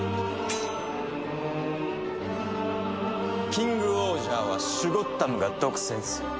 キングオージャーはシュゴッダムが独占する。